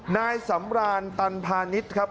นายสำรานตันพาณิชย์ครับ